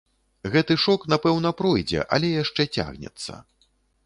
Гэты шок, напэўна, пройдзе, але яшчэ цягнецца.